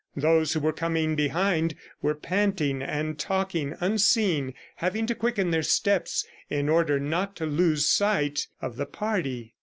Those who were coming behind were panting and talking unseen, having to quicken their steps in order not to lose sight of the party.